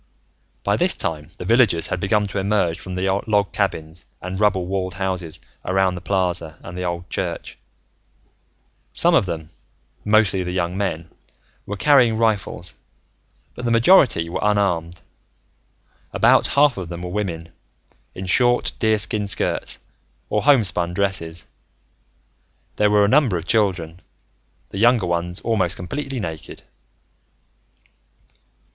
By this time, the villagers had begun to emerge from the log cabins and rubble walled houses around the plaza and the old church. Some of them, mostly the young men, were carrying rifles, but the majority were unarmed. About half of them were women, in short deerskin skirts or homespun dresses. There were a number of children, the younger ones almost completely naked.